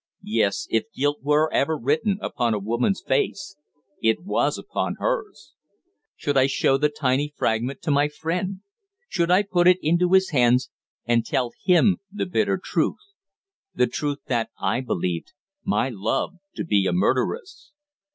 Yes, if guilt were ever written upon a woman's face, it was upon hers. Should I show the tiny fragment to my friend? Should I put it into his hands and tell him the bitter truth the truth that I believed my love to be a murderess?